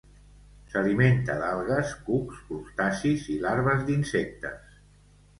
S'alimenta d'algues, cucs, crustacis i larves d'insectes.